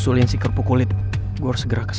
tidak bisa fashion red